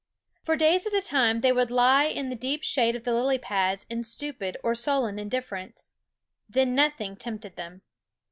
For days at a time they would lie in the deep shade of the lily pads in stupid or sullen indifference. Then nothing tempted them.